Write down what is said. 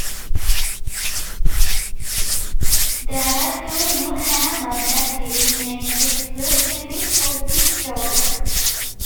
There are two new Hanna-Barbera series made exclusively for this program.